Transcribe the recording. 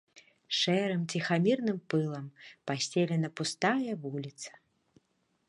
Шэрым ціхамірным пылам пасцелена пустая вуліца.